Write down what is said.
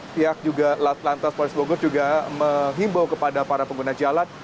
pihak juga lantas polres bogor juga menghimbau kepada para pengguna jalan